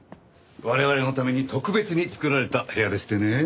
我々のために特別に作られた部屋でしてねえ。